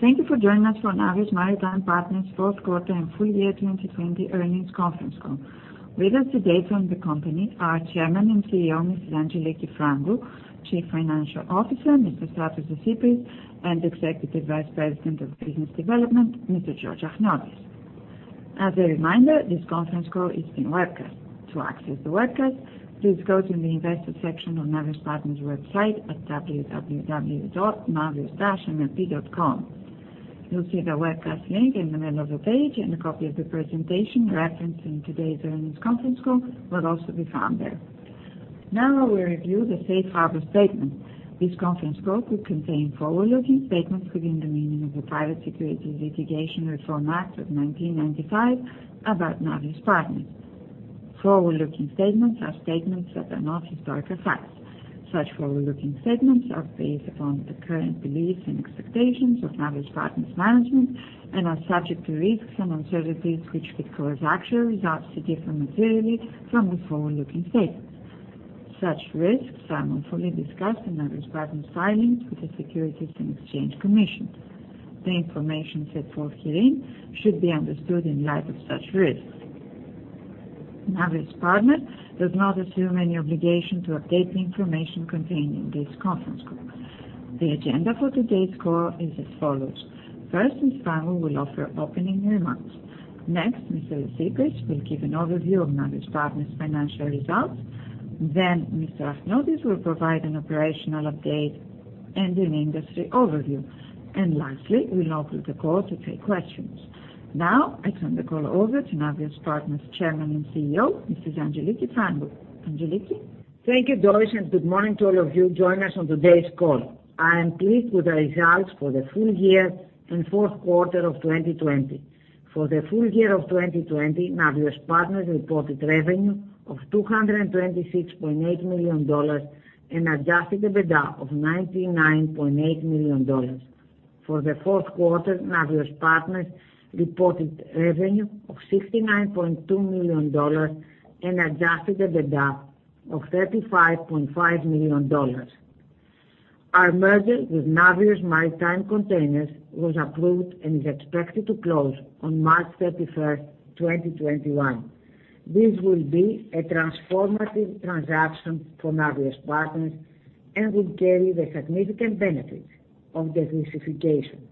Thank you for joining us for Navios Maritime Partners' fourth quarter and full year 2020 earnings conference call. With us today from the company are Chairman and CEO, Mrs. Angeliki Frangou, Chief Financial Officer, Mr. Stratos Desypris, and Executive Vice President of Business Development, Mr. George Achniotis. As a reminder, this conference call is being webcast. To access the webcast, please go to the Investor section on Navios Partners website at www.navios-mlp.com. You'll see the webcast link in the middle of the page, and a copy of the presentation referenced in today's earnings conference call will also be found there. Now I will review the Safe harbor statement. This conference call will contain forward-looking statements within the meaning of the Private Securities Litigation Reform Act of 1995 about Navios Partners. Forward-looking statements are statements that are not historical facts. Such forward-looking statements are based upon the current beliefs and expectations of Navios Partners management and are subject to risks and uncertainties which could cause actual results to differ materially from the forward-looking statements. Such risks are fully discussed in Navios Partners' filings with the Securities and Exchange Commission. The information set forth herein should be understood in light of such risks. Navios Partners does not assume any obligation to update the information contained in this conference call. The agenda for today's call is as follows. First, Mrs. Frangou will offer opening remarks. Mr. Desypris will give an overview of Navios Partners' financial results. Mr. Achniotis will provide an operational update and an industry overview. Lastly, we'll now open the call to take questions. I turn the call over to Navios Partners Chairman and CEO, Mrs. Angeliki Frangou. Angeliki? Thank you, Doris, and good morning to all of you joining us on today's call. I am pleased with the results for the full year and fourth quarter of 2020. For the full year of 2020, Navios Partners reported revenue of $226.8 million and adjusted EBITDA of $99.8 million. For the fourth quarter, Navios Partners reported revenue of $69.2 million and adjusted EBITDA of $35.5 million. Our merger with Navios Maritime Containers was approved and is expected to close on March 31st, 2021. This will be a transformative transaction for Navios Partners and will carry the significant benefits of diversification.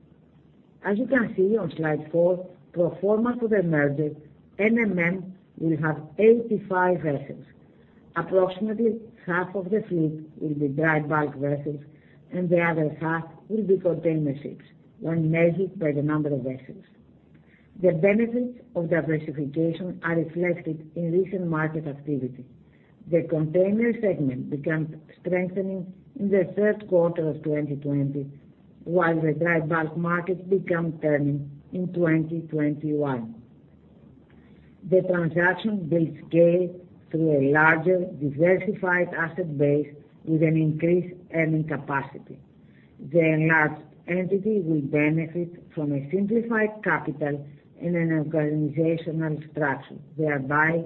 As you can see on slide four, pro forma for the merger, NMM will have 85 vessels. Approximately half of the fleet will be dry bulk vessels, and the other half will be container ships when measured by the number of vessels. The benefits of diversification are reflected in recent market activity. The container segment began strengthening in the third quarter of 2020, while the dry bulk market began turning in 2021. The transaction builds scale through a larger diversified asset base with an increased earning capacity. The enlarged entity will benefit from a simplified capital and an organizational structure, thereby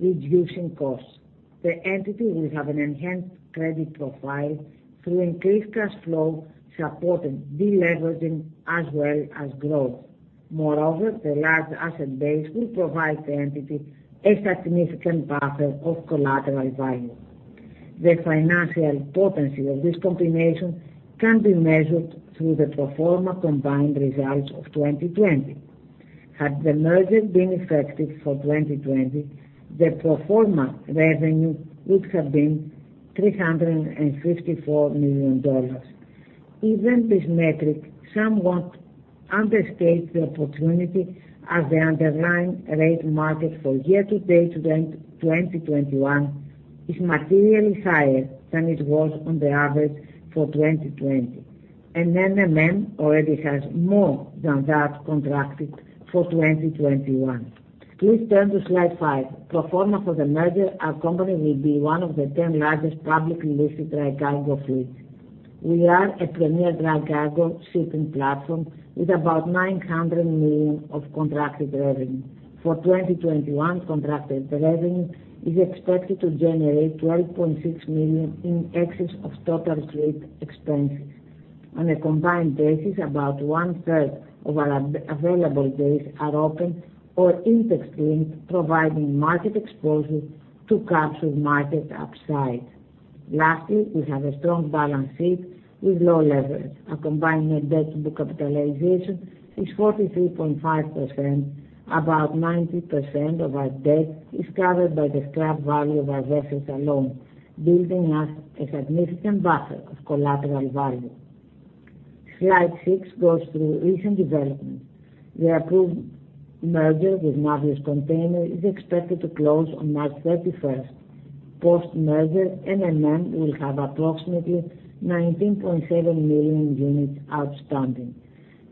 reducing costs. The entity will have an enhanced credit profile through increased cash flow, supporting deleveraging as well as growth. Moreover, the large asset base will provide the entity a significant buffer of collateral value. The financial potency of this combination can be measured through the pro forma combined results of 2020. Had the merger been effective for 2020, the pro forma revenue would have been $354 million. Even this metric somewhat understates the opportunity as the underlying rate market for year-to-date 2021 is materially higher than it was on the average for 2020. NMM already has more than that contracted for 2021. Please turn to slide five. Pro forma for the merger, our company will be one of the 10 largest publicly listed dry cargo fleets. We are a premier dry cargo shipping platform with about $900 million of contracted revenue. For 2021, contracted revenue is expected to generate $12.6 million in excess of total fleet expenses. On a combined basis, about one-third of our available days are open or index-linked, providing market exposure to capture market upside. Lastly, we have a strong balance sheet with low leverage. Our combined net debt-to-capitalization is 43.5%. About 90% of our debt is covered by the scrap value of our vessels alone, building us a significant buffer of collateral value. Slide six goes through recent developments. The approved merger with Navios Container is expected to close on March 31st. Post-merger, NMM will have approximately 19.7 million units outstanding.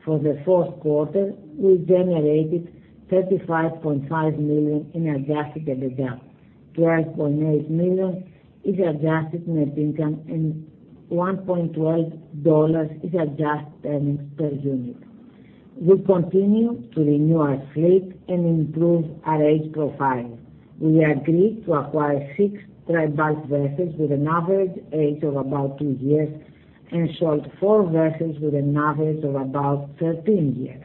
For the fourth quarter, we generated $35.5 million in adjusted EBITDA. $12.8 million is adjusted net income and $1.12 is adjusted earnings per unit. We continue to renew our fleet and improve our age profile. We agreed to acquire six dry bulk vessels with an average age of about two years and sold four vessels with an average of about 13 years.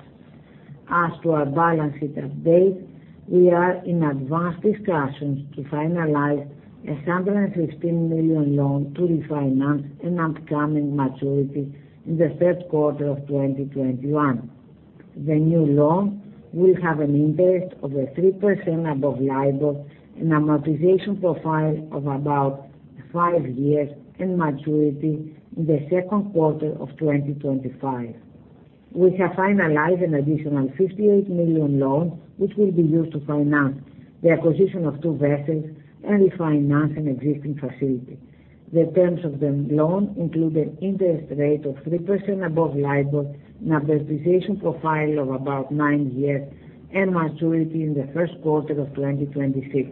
As to our balance sheet update, we are in advanced discussions to finalize a $116 million loan to refinance an upcoming maturity in the third quarter of 2021. The new loan will have an interest of 3% above LIBOR, an amortization profile of about five years, and maturity in the second quarter of 2025. We have finalized an additional $58 million loan, which will be used to finance the acquisition of two vessels and refinance an existing facility. The terms of the loan include an interest rate of 3% above LIBOR, an amortization profile of about nine years, and maturity in the first quarter of 2026.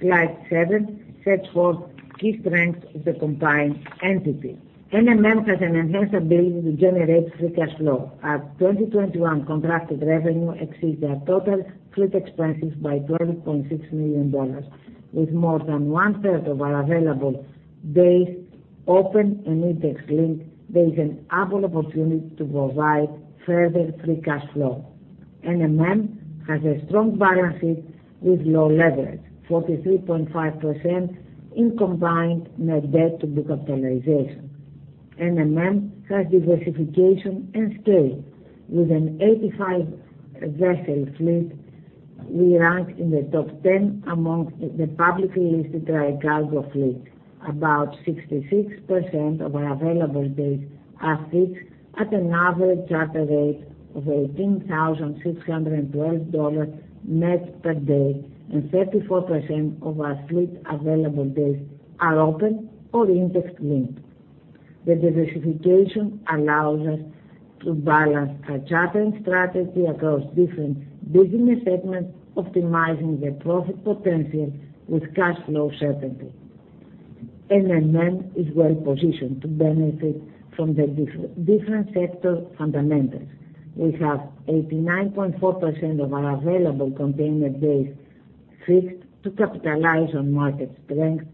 Slide seven sets forth key strengths of the combined entity. NMM has an enhanced ability to generate free cash flow. Our 2021 contracted revenue exceeds our total fleet expenses by $12.6 million. With more than one-third of our available days open and index-linked, there is an ample opportunity to provide further free cash flow. NMM has a strong balance sheet with low leverage, 43.5% in combined net debt to capitalization. NMM has diversification and scale. With an 85-vessel fleet, we rank in the top 10 among the publicly listed dry cargo fleet. About 66% of our available days are fixed at an average charter rate of $18,612 net per day, and 34% of our fleet available days are open or index-linked. The diversification allows us to balance our chartering strategy across different business segments, optimizing the profit potential with cash flow certainty. NMM is well positioned to benefit from the different sector fundamentals. We have 89.4% of our available container days fixed to capitalize on market strength,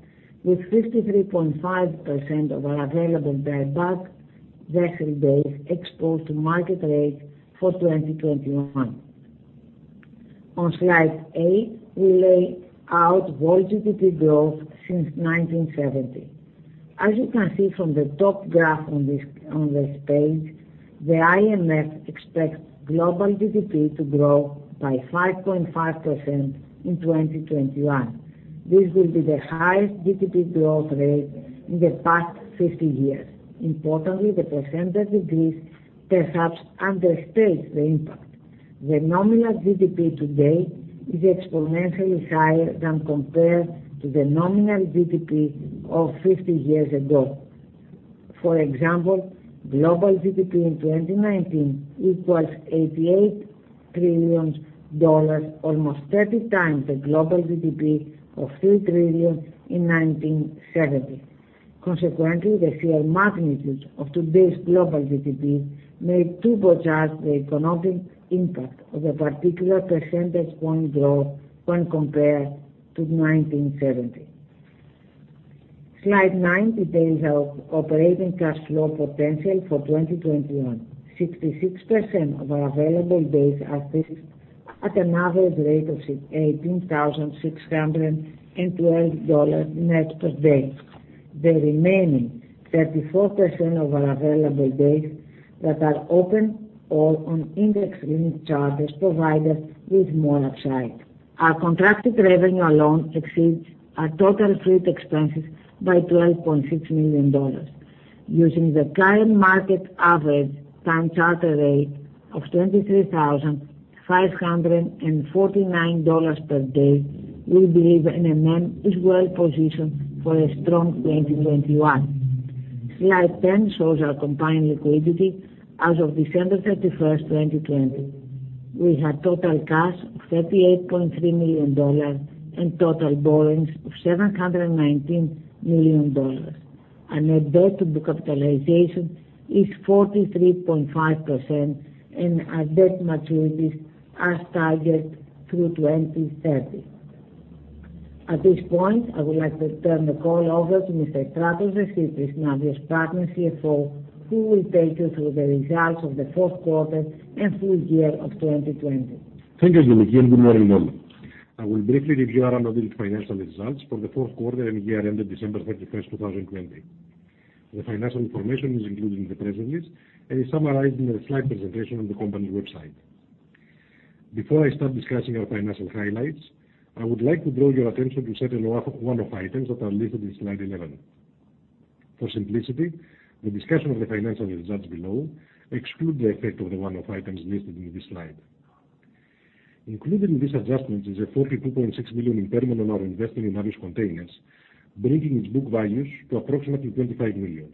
with 53.5% of our available dry bulk vessel days exposed to market rates for 2021. On slide eight, we lay out world GDP growth since 1970. As you can see from the top graph on this page, the IMF expects global GDP to grow by 5.5% in 2021. This will be the highest GDP growth rate in the past 50 years. Importantly, the percentage increase perhaps understates the impact. The nominal GDP today is exponentially higher than compared to the nominal GDP of 50 years ago. For example, global GDP in 2019 equals $88 trillion, almost 30x the global GDP of $3 trillion in 1970. Consequently, the sheer magnitude of today's global GDP may turbocharge the economic impact of a particular percentage point growth when compared to 1970. Slide nine details our operating cash flow potential for 2021. 66% of our available days are fixed at an average rate of $18,612 net per day. The remaining 34% of our available days that are open or on index-linked charters provide us with more upside. Our contracted revenue alone exceeds our total fleet expenses by $12.6 million. Using the current market average time charter rate of $23,549 per day, we believe NMM is well positioned for a strong 2021. Slide 10 shows our combined liquidity. As of December 31st, 2020, we have total cash of $38.3 million and total borrowings of $719 million. Our net debt-to-capitalization is 43.5%, and our debt maturities are staggered through 2030. At this point, I would like to turn the call over to Mr. Stratos Desypris, Navios Partners CFO, who will take you through the results of the fourth quarter and full year of 2020. Thank you, Angeliki. Good morning, all. I will briefly review our unaudited financial results for the fourth quarter and year ended December 31st, 2020. The financial information is included in the presentation and is summarized in a slide presentation on the company's website. Before I start discussing our financial highlights, I would like to draw your attention to certain one-off items that are listed in slide 11. For simplicity, the discussion of the financial results below exclude the effect of the one-off items listed in this slide. Included in these adjustments is a $42.6 million impairment on our investment in Navios Containers, bringing its book values to approximately $25 million.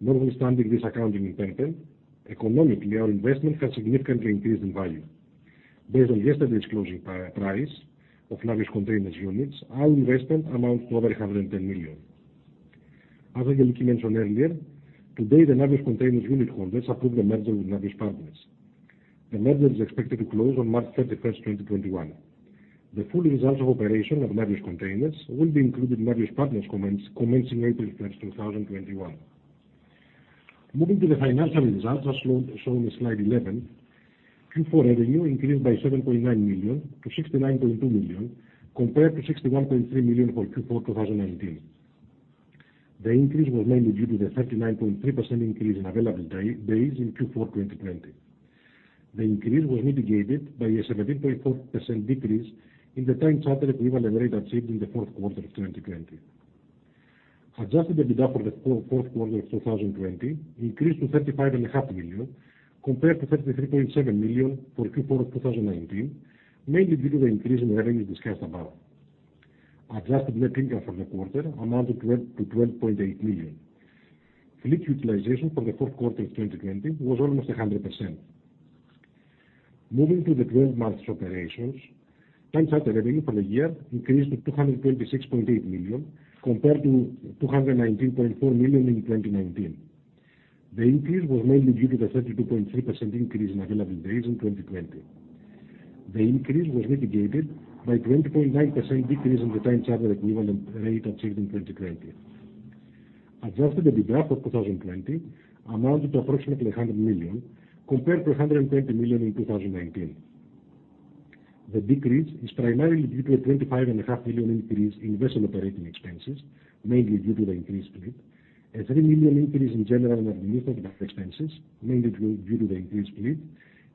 Notwithstanding this accounting impairment, economically, our investment has significantly increased in value. Based on yesterday's closing price of Navios Containers units, our investment amounts to over $110 million. As Angeliki mentioned earlier, today, the Navios Containers unit holders approved the merger with Navios Partners. The merger is expected to close on March 31st 2021. The full results of operation of Navios Containers will be included in Navios Partners commencing April 1st 2021. Moving to the financial results as shown in slide 11, Q4 revenue increased by $7.9 million to $69.2 million, compared to $61.3 million for Q4 2019. The increase was mainly due to the 39.3% increase in available days in Q4 2020. The increase was mitigated by a 17.4% decrease in the time charter equivalent rate achieved in the fourth quarter of 2020. Adjusted EBITDA for the fourth quarter of 2020 increased to $35.5 million, compared to $33.7 million for Q4 of 2019, mainly due to the increase in revenues discussed above. Adjusted net income for the quarter amounted to $12.8 million. Fleet utilization for the fourth quarter of 2020 was almost 100%. Moving to the 12 months operations, time charter revenue for the year increased to $226.8 million compared to $219.4 million in 2019. The increase was mainly due to the 32.3% increase in available days in 2020. The increase was mitigated by 20.9% decrease in the time charter equivalent rate achieved in 2020. Adjusted EBITDA for 2020 amounted to approximately $100 million compared to $130 million in 2019. The decrease is primarily due to a $25.5 million increase in vessel operating expenses, mainly due to the increased fleet, a $3 million increase in general and administrative expenses, mainly due to the increased fleet,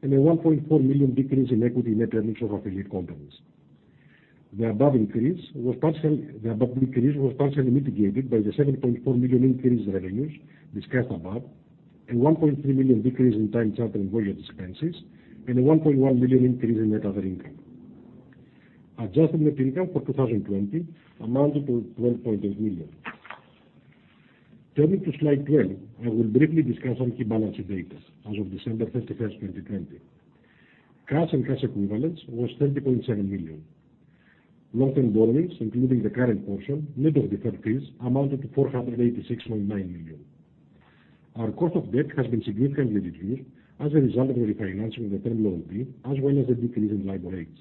and a $1.4 million decrease in equity in net earnings of affiliate companies. The above decrease was partially mitigated by the $7.4 million increase in revenues discussed above, a $1.3 million decrease in time charter and voyage expenses, and a $1.1 million increase in net other income. Adjusted net income for 2020 amounted to $12.8 million. Turning to slide 12, I will briefly discuss some key balance data as of December 31st, 2020. Cash and cash equivalents was $30.7 million. Long-term borrowings, including the current portion, net of deferred fees, amounted to $486.9 million. Our cost of debt has been significantly reduced as a result of the refinancing of the Term Loan B, as well as the decrease in LIBOR rates.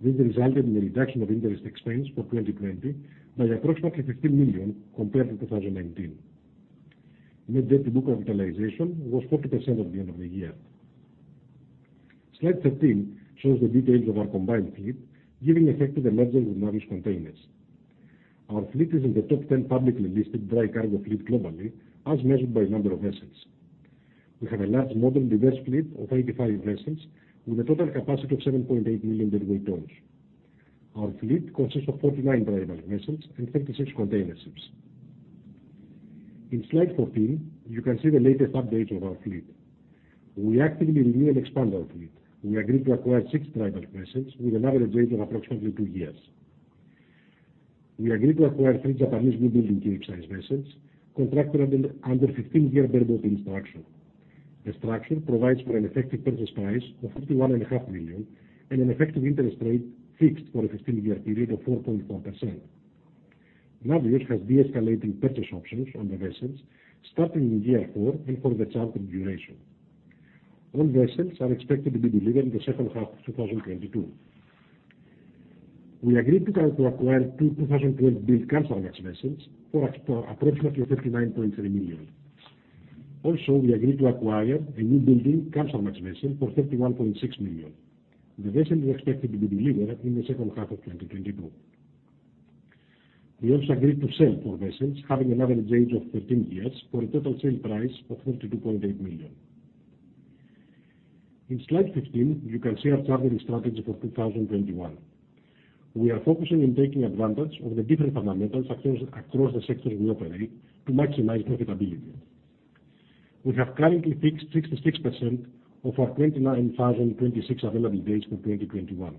This resulted in a reduction of interest expense for 2020 by approximately $15 million compared to 2019. Net debt-to-book capitalization was 40% at the end of the year. Slide 13 shows the details of our combined fleet giving effect to the merger with Navios Containers. Our fleet is in the top 10 publicly listed dry cargo fleet globally, as measured by number of vessels. We have a large modern diverse fleet of 85 vessels with a total capacity of 7.8 million deadweight tons. Our fleet consists of 49 dry bulk vessels and 36 containerships. In slide 14, you can see the latest updates of our fleet. We actively renew and expand our fleet. We agreed to acquire six dry bulk vessels with an average age of approximately two years. We agreed to acquire three Japanese newbuilding Kamsarmax vessels contracted under a 15-year bareboat contract. The structure provides for an effective purchase price of $51.5 million and an effective interest rate fixed for a 15-year period of 4.4%. Navios has de-escalating purchase options on the vessels starting in year four and for the charter duration. All vessels are expected to be delivered in the second half of 2022. We agreed to acquire two 2012 built Kamsarmax vessels for approximately $39.3 million. Also, we agreed to acquire a newbuilding Kamsarmax vessel for $31.6 million. The vessel is expected to be delivered in the second half of 2022. We also agreed to sell four vessels having an average age of 13 years for a total sale price of $42.8 million. In slide 15, you can see our chartering strategy for 2021. We are focusing on taking advantage of the different fundamentals across the sectors we operate to maximize profitability. We have currently fixed 66% of our 29,026 available days for 2021.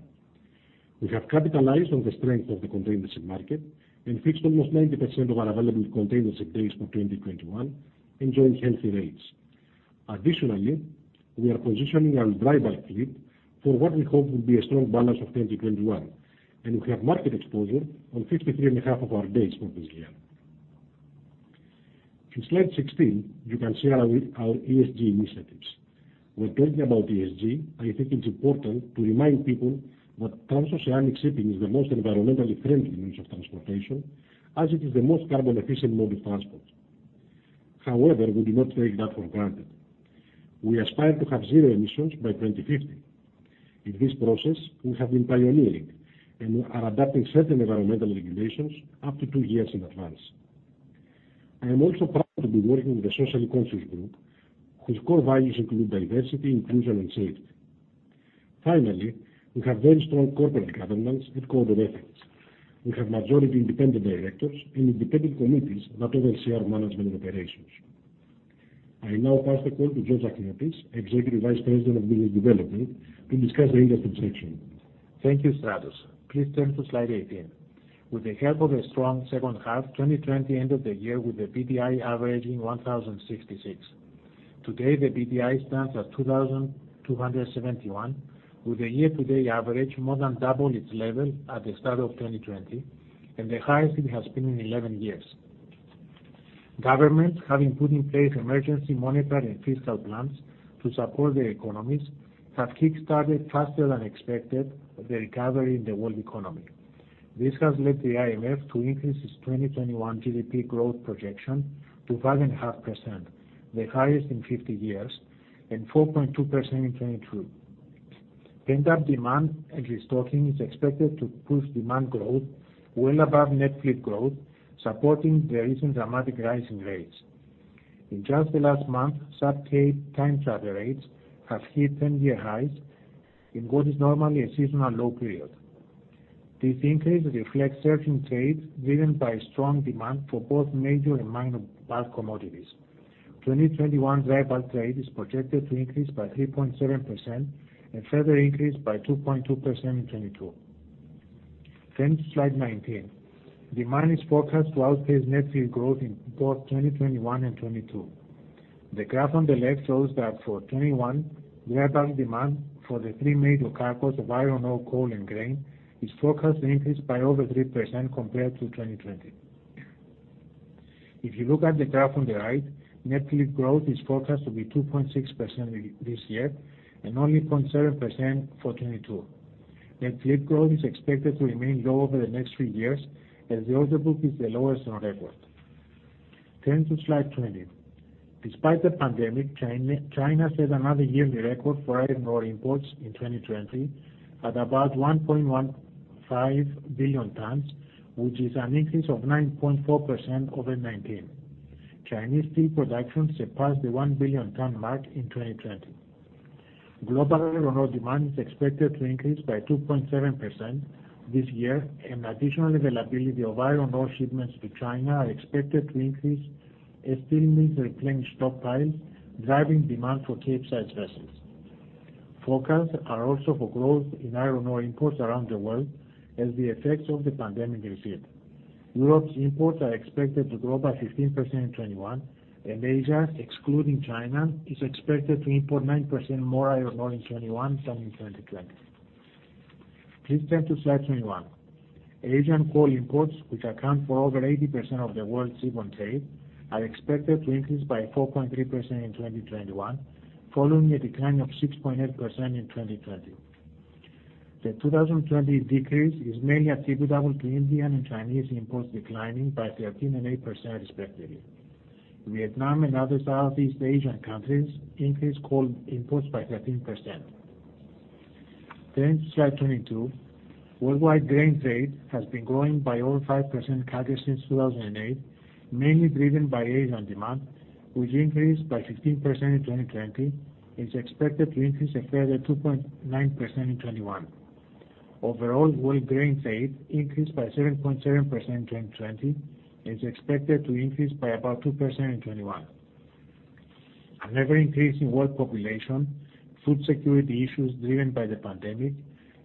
We have capitalized on the strength of the containership market and fixed almost 90% of our available containership days for 2021, enjoying healthy rates. Additionally, we are positioning our dry bulk fleet for what we hope will be a strong balance of 2021, and we have market exposure on 53.5 of our days for this year. In slide 16, you can see our ESG initiatives. When talking about ESG, I think it's important to remind people that transoceanic shipping is the most environmentally friendly means of transportation as it is the most carbon efficient mode of transport. However, we do not take that for granted. We aspire to have zero emissions by 2050. In this process, we have been pioneering and are adapting certain environmental regulations up to two years in advance. I am also proud to be working with a socially conscious group whose core values include diversity, inclusion, and safety. Finally, we have very strong corporate governance with code of ethics. We have majority independent directors and independent committees that oversee our management and operations. I now pass the call to George Achniotis, Executive Vice President of Business Development, to discuss the industry section. Thank you, Stratos. Please turn to slide 18. With the help of a strong second half 2020 end of the year with the BDI averaging 1,066. Today, the BDI stands at 2,271, with a year-to-date average more than double its level at the start of 2020, and the highest it has been in 11 years. Governments, having put in place emergency monetary and fiscal plans to support their economies, have kick-started faster than expected the recovery in the world economy. This has led the IMF to increase its 2021 GDP growth projection to 5.5%, the highest in 50 years, and 4.2% in 2022. Pent-up demand and restocking is expected to push demand growth well above net fleet growth, supporting the recent dramatic rise in rates. In just the last month, [Supramax] time charter rates have hit 10-year highs in what is normally a seasonal low period. This increase reflects surge in trade driven by strong demand for both major and minor bulk commodities. 2021 dry bulk trade is projected to increase by 3.7% and further increase by 2.2% in 2022. Turn to slide 19. Demand is forecast to outpace net fleet growth in both 2021 and 2022. The graph on the left shows that for 2021, dry bulk demand for the three major cargoes of iron ore, coal, and grain is forecast to increase by over 3% compared to 2020. If you look at the graph on the right, net fleet growth is forecast to be 2.6% this year and only 0.7% for 2022. Net fleet growth is expected to remain low over the next three years, as the orderbook is the lowest on record. Turn to slide 20. Despite the pandemic, China set another yearly record for iron ore imports in 2020 at about 1.15 billion tons, which is an increase of 9.4% over 2019. Chinese steel production surpassed the 1 billion tons mark in 2020. Global iron ore demand is expected to increase by 2.7% this year. Additional availability of iron ore shipments to China are expected to increase as steel mills replenish stockpiles, driving demand for Capesize vessels. Forecasts are also for growth in iron ore imports around the world as the effects of the pandemic recede. Europe's imports are expected to grow by 15% in 2021. Asia, excluding China, is expected to import 9% more iron ore in 2021 than in 2020. Please turn to slide 21. Asian coal imports, which account for over 80% of the world's seaborne trade, are expected to increase by 4.3% in 2021, following a decline of 6.8% in 2020. The 2020 decrease is mainly attributable to Indian and Chinese imports declining by 13% and 8% respectively. Vietnam and other Southeast Asian countries increased coal imports by 13%. Turn to slide 22. Worldwide grain trade has been growing by over 5% annually since 2008, mainly driven by Asian demand, which increased by 15% in 2020 and is expected to increase a further 2.9% in 2021. Overall, world grain trade increased by 7.7% in 2020 and is expected to increase by about 2% in 2021. An ever-increasing world population, food security issues driven by the pandemic,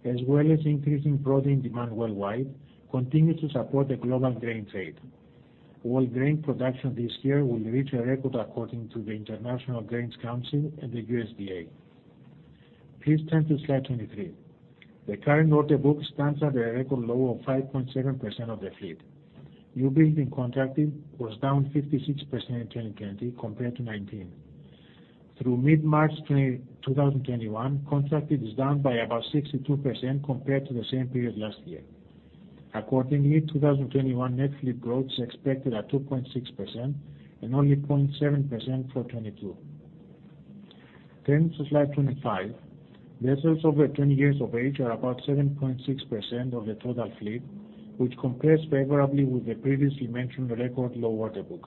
as well as increasing protein demand worldwide, continue to support the global grain trade. World grain production this year will reach a record according to the International Grains Council and the USDA. Please turn to slide 23. The current orderbook stands at a record low of 5.7% of the fleet. New building contracted was down 56% in 2020 compared to 2019. Through mid-March 2021, contracted is down by about 62% compared to the same period last year. Accordingly, 2021 net fleet growth is expected at 2.6% and only 0.7% for 2022. Turn to slide 25. Vessels over 20 years of age are about 7.6% of the total fleet, which compares favorably with the previously mentioned record low orderbook.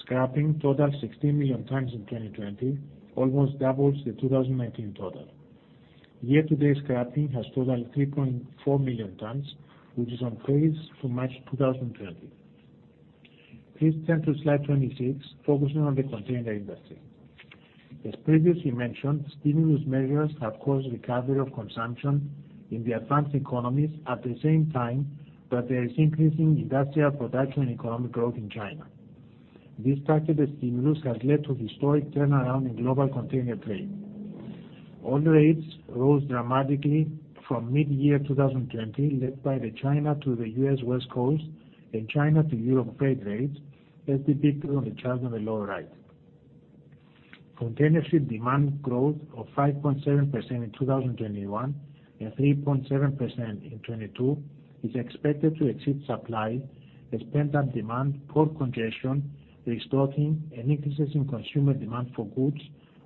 Scrapping totaled 16 million tons in 2020, almost double the 2019 total. Year-to-date scrapping has totaled 3.4 million tons, which is on pace for March 2020. Please turn to slide 26, focusing on the container industry. As previously mentioned, stimulus measures have caused recovery of consumption in the advanced economies at the same time that there is increasing industrial production and economic growth in China. This targeted stimulus has led to historic turnaround in global container trade. All rates rose dramatically from mid-year 2020, led by the China to the U.S. West Coast and China to Europe freight rates, as depicted on the chart on the lower right. Container ship demand growth of 5.7% in 2021 and 3.7% in 2022 is expected to exceed supply, as pent-up demand, port congestion, restocking, and increases in consumer demand for goods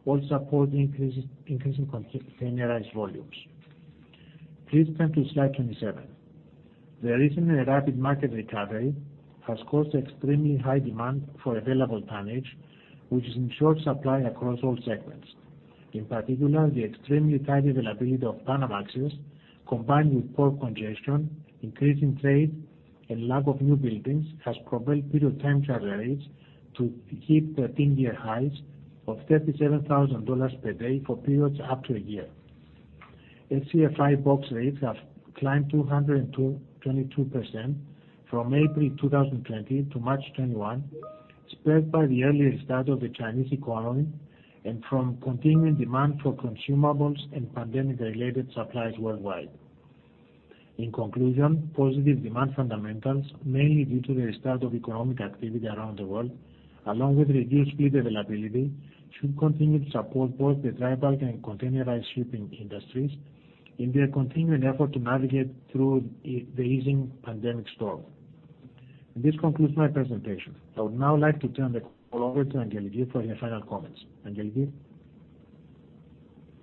all support increasing containerized volumes. Please turn to slide 27. The recent and rapid market recovery has caused extremely high demand for available tonnage, which is in short supply across all segments. In particular, the extremely tight availability of Panamaxes, combined with port congestion, increasing trade, and lack of newbuildings, has propelled period time charter rates to hit 13-year highs of $37,000 per day for periods up to a year. SCFI box rates have climbed 222% from April 2020 to March 2021, spurred by the early restart of the Chinese economy and from continuing demand for consumables and pandemic-related supplies worldwide. In conclusion, positive demand fundamentals, mainly due to the restart of economic activity around the world, along with reduced fleet availability, should continue to support both the dry bulk and containerized shipping industries in their continuing effort to navigate through the easing pandemic storm. This concludes my presentation. I would now like to turn the call over to Angeliki for any final comments. Angeliki?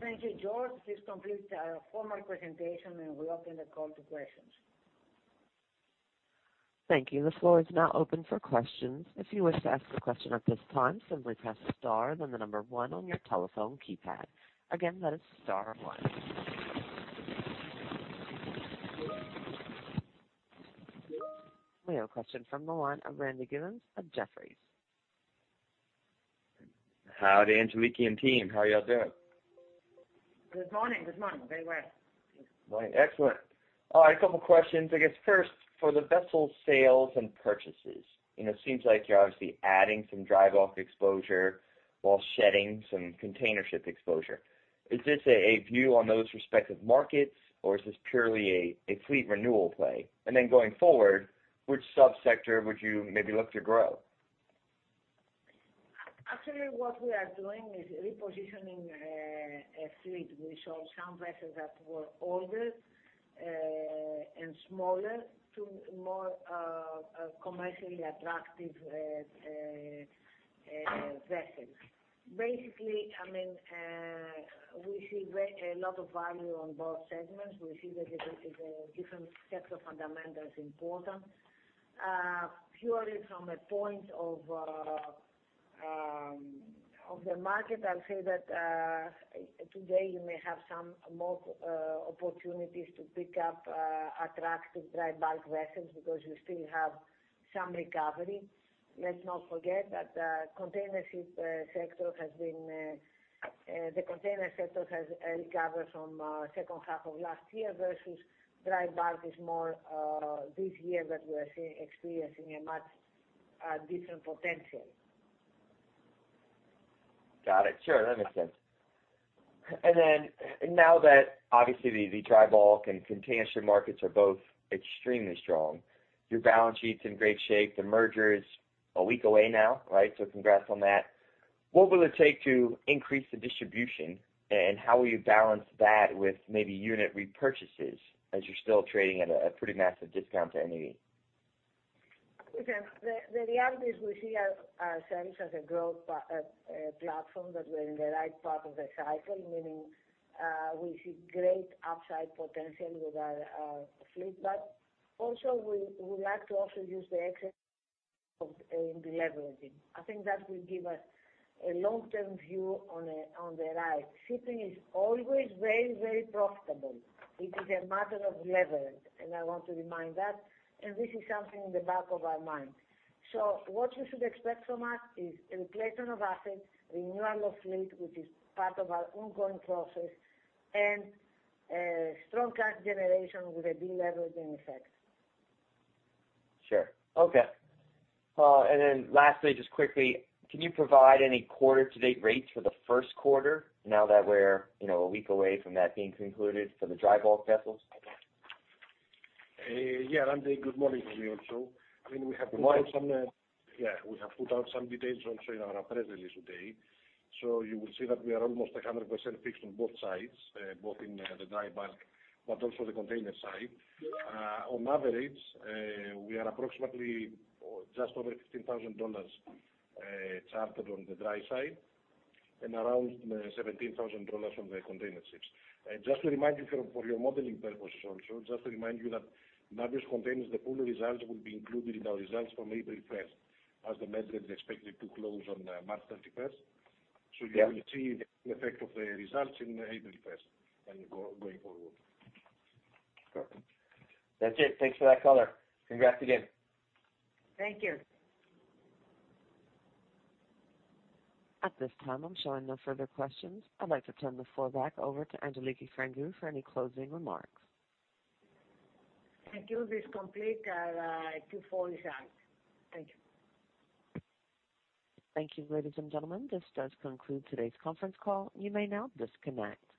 Thank you, George. This completes our formal presentation, and we open the call to questions. Thank you. The floor is now open for questions. If you wish to ask a question at this time, simply press star then the number one on your telephone keypad. Again, that is star one. We have a question from the line of Randy Giveans of Jefferies. Howdy, Angeliki and team. How are you all doing? Good morning. Good morning. We're very well. Morning. Excellent. All right, a couple questions. I guess, first, for the vessel sales and purchases, it seems like you're obviously adding some dry bulk exposure while shedding some container ship exposure. Is this a view on those respective markets, or is this purely a fleet renewal play? Going forward, which sub-sector would you maybe look to grow? Actually, what we are doing is repositioning a fleet. We sold some vessels that were older and smaller to more commercially attractive vessels. Basically, we see a lot of value on both segments. We see that it is a different set of fundamentals important. Purely from a point of the market, I'll say that today you may have some more opportunities to pick up attractive dry bulk vessels because you still have some recovery. Let's not forget that the container sector has recovered from second half of last year versus dry bulk is more this year that we are experiencing a much different potential. Got it. Sure. That makes sense. Now that obviously the dry bulk and container ship markets are both extremely strong, your balance sheet's in great shape. The merger is one week away now, right? Congrats on that. What will it take to increase the distribution, and how will you balance that with maybe unit repurchases as you're still trading at a pretty massive discount to NAV? Listen, the reality is we see ourselves as a growth platform that we're in the right part of the cycle, meaning we see great upside potential with our fleet cap. We like to also use the excess of deleveraging. I think that will give us a long-term view on the rise. Shipping is always very profitable. It is a matter of leverage, and I want to remind that, and this is something in the back of our mind. What you should expect from us is replacement of assets, renewal of fleet, which is part of our ongoing process, and strong cash generation with a deleveraging effect. Sure. Okay. Lastly, just quickly, can you provide any quarter-to-date rates for the first quarter now that we're a week away from that being concluded for the dry bulk vessels? Randy, good morning from me also. Good morning. Yeah. We have put out some details also in our press release today. You will see that we are almost 100% fixed on both sides, both in the dry bulk but also the container side. On average, we are approximately just over $15,000 chartered on the dry side and around $17,000 on the container ships. Just to remind you for your modeling purposes also, just to remind you that Navios Containers, the full results will be included in our results from April 1st as the merger is expected to close on March 31st. Yeah. You will see the effect of the results in April 1st going forward. Perfect. That's it. Thanks for that color. Congrats again. Thank you. At this time, I'm showing no further questions. I'd like to turn the floor back over to Angeliki Frangou for any closing remarks. Thank you. This completes our Q4 results. Thank you. Thank you, ladies and gentlemen. This does conclude today's conference call. You may now disconnect.